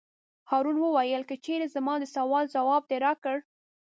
هارون وویل: که چېرې زما د سوال ځواب دې راکړ.